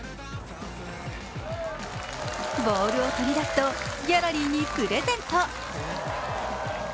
ボールを取り出すとギャラリーにプレゼント。